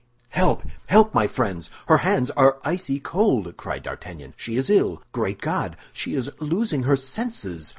"Help, help, my friends! her hands are icy cold," cried D'Artagnan. "She is ill! Great God, she is losing her senses!"